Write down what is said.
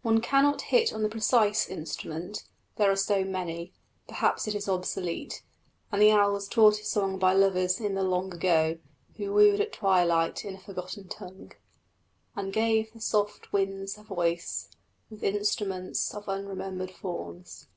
One cannot hit on the precise instrument, there are so many; perhaps it is obsolete, and the owl was taught his song by lovers in the long ago, who wooed at twilight in a forgotten tongue, And gave the soft winds a voice, With instruments of unremembered forms.